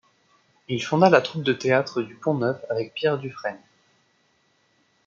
Il fonda la troupe de théâtre du Pont neuf avec Pierre Dufresne.